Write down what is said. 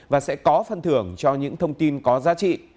và sẽ có phân thưởng cho những thông tin có giá trị